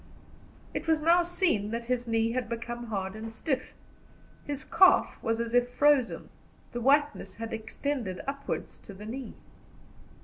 It was now seen that his knee had become hard and stiff, his calf was as if frozen; the whiteness had extended upwards to the knee.